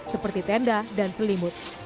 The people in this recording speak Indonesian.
seperti tenda dan selimut